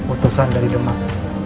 utusan dari demak